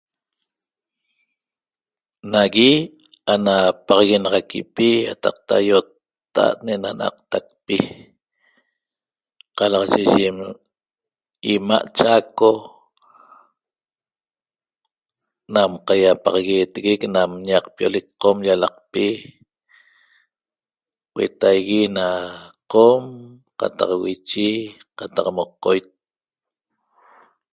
Nagui ana paxaguenaxaquipi taqta i'otta ne'ena n'aqtaqpi qalaxaye yim ima' Chaco nam qayapaxagueeteguec nam ñaqpiolec qom llalaqpi huetagui na qom qataq wichí qataq moqoit